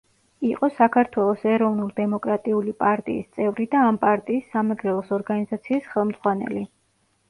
იყო საქართველოს ეროვნულ-დემოკრატიული პარტიის წევრი და ამ პარტიის სამეგრელოს ორგანიზაციის ხელმძღვანელი.